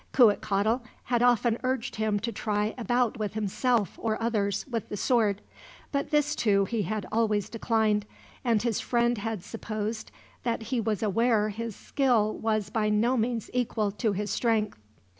Cuitcatl had often urged him to try a bout with himself, or others, with the sword; but this, too, he had always declined, and his friend had supposed that he was aware his skill was by no means equal to his strength.